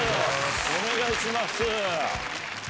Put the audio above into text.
お願いします。